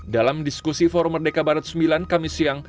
dalam diskusi forum merdeka barat sembilan kami siang